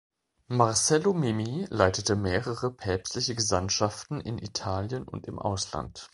Marcello Mimmi leitete mehrere Päpstliche Gesandtschaften in Italien und im Ausland.